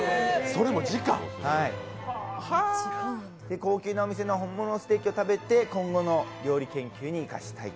高級なお店の本物のステーキを食べて今後の料理研究に生かしたいと。